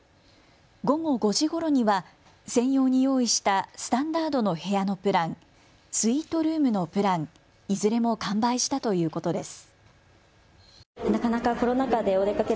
午後５時ごろには専用に用意したスタンダードの部屋のプラン、スイートルームのプラン、いずれも完売したということです。